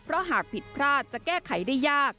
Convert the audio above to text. เพราะหากผิดพลาดจะแก้ไขได้ยาก